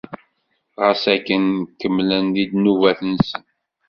Ɣas akken, kemmlen di ddnubat-nsen.